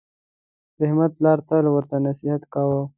د احمد پلار تل ورته نصحت کاوه: